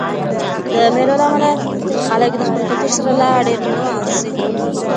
د مېلو له امله خلک د خپل کلتور سره لا ډېر مینه وال سي.